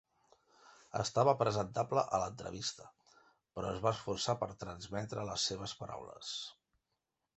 Estava presentable a l'entrevista, però es va esforçar per transmetre les seves paraules.